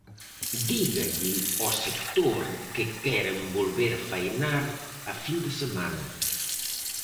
Dígalle ao sector que queren volver faenar a fin de semana.